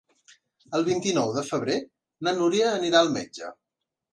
El vint-i-nou de febrer na Núria anirà al metge.